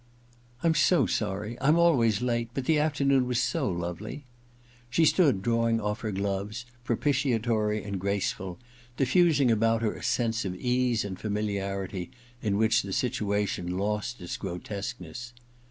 * I'm so sorry — I'm always late ; but the afternoon was so lovely.' She stood drawing off her gloves, propitiatory and graceful, diffiis V THE OTHER TWO 75 ing about her a sense of ease and familiarity in which the situation lost its grotesqueness.